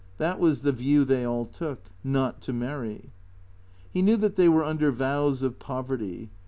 That was the view they all took. Not to marry. He knew that they were under vows of poverty.